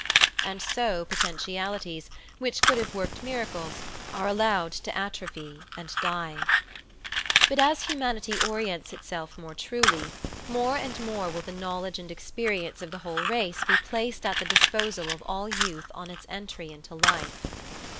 And so potentialities, which could have worked miracles, arc allowed to atrophy and die. ^'^° Married Love But as humanity orients itself more truly, more and more will the knowledge and experience of the whole race be placed at the disposal of all youth on its entry into life.